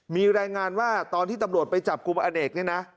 มีรายงานว่าตอนที่ตำรวจไปจับกลุ่มอเนกเนี่ยนะ